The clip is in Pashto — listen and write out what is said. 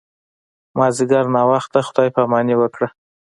مازیګر ناوخته خدای پاماني وکړه.